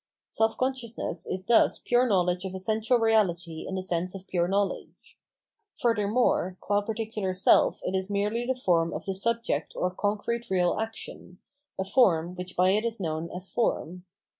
Self consciousness is thus pure know ledge of essential reality in the sense of pure knowledge. Furthermore, qua particular self it is merely the form of the subject or concrete real action, a form which by it is known as form.